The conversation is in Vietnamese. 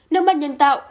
nước mắt nhân tạo